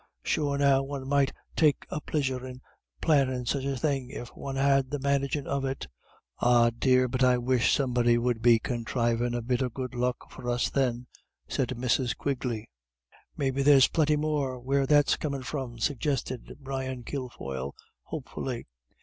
Sure now one might take a plisure in plannin' such a thing, if one had the managin' of them." "Ah, dear, but I wish somebody 'ud be conthrivin' a bit of good luck for us then," said Mrs. Quigley. "Maybe there's plinty more where that's comin' from," suggested Brian Kilfoyle, hopefully.